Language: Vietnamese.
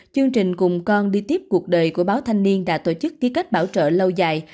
chương trình cùng con đi tiếp cuộc đời của báo thanh niên đã tổ chức ký kết bảo trợ lâu dài